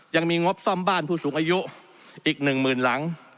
งบซ่อมบ้านผู้สูงอายุอีก๑หมื่นหลัง